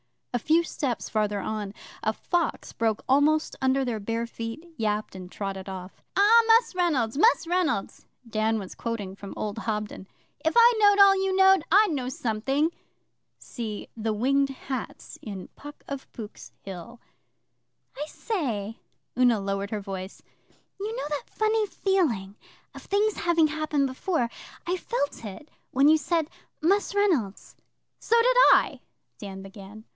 A few steps farther on a fox broke almost under their bare feet, yapped, and trotted off. 'Ah, Mus' Reynolds Mus' Reynolds' Dan was quoting from old Hobden, 'if I knowed all you knowed, I'd know something.' [See 'The Winged Hats' in PUCK OF POOK'S HILL.] I say,' Una lowered her voice 'you know that funny feeling of things having happened before. I felt it when you said "Mus' Reynolds."' 'So did I,' Dan began.